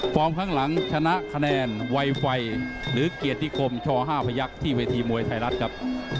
ข้างหลังชนะคะแนนไวไฟหรือเกียรติคมช๕พยักษ์ที่เวทีมวยไทยรัฐครับ